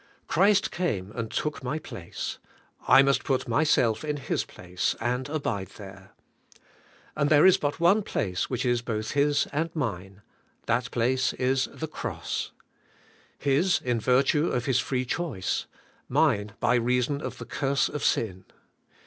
Christ came and took my place; I must put myself in His place, and abide there. And 90 ABIDE IN CHRIST: there is but one place which is both His and mine, — that place is the Cross. His in virtue of His free choice; mine by reason of the curse of sin.